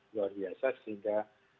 luar biasa sehingga